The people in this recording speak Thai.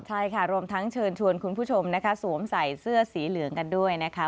ใช่ค่ะรวมทั้งเชิญชวนคุณผู้ชมนะคะสวมใส่เสื้อสีเหลืองกันด้วยนะคะ